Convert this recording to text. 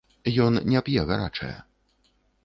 Ён не п'е гарачая.